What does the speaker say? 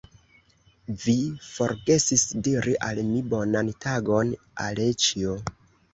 Vi forgesis diri al mi bonan tagon, Aleĉjo!